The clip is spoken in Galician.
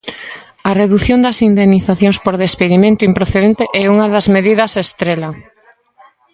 A redución das indemnizacións por despedimento improcedente é unha das medidas estrela.